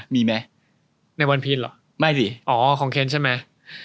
มีไหมในวันพีชเหรอไม่สิอ๋อคองเคนใช่ไหม